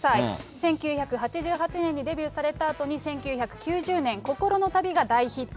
１９８８年にデビューされたあとに、１９９０年、心の旅が大ヒット。